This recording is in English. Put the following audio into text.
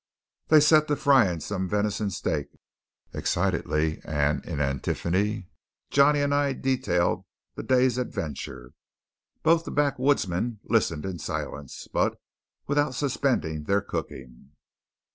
They set to frying some venison steak. Excitedly and in antiphony Johnny and I detailed the day's adventure. Both the backwoodsmen listened in silence, but without suspending their cooking.